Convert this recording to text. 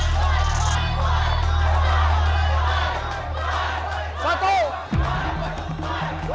tidak ada apa apa